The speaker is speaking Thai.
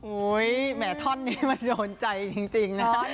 แหมท่อนนี้มันโดนใจจริงนะ